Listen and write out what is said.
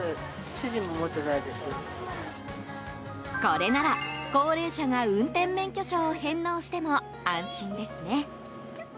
これなら高齢者が運転免許証を返納しても安心ですね。